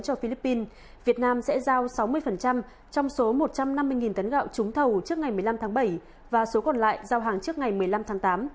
cho philippines việt nam sẽ giao sáu mươi trong số một trăm năm mươi tấn gạo trúng thầu trước ngày một mươi năm tháng bảy và số còn lại giao hàng trước ngày một mươi năm tháng tám